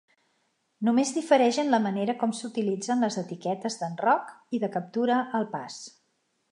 Només difereix en la manera com s'utilitzen les etiquetes d'enroc i de "captura al pas".